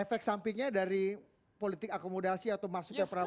efek sampingnya dari politik akomodasi atau masuknya prabowo